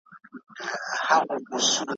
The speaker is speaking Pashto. دوه لاسونه پر دوو پښو باندي روان وو ,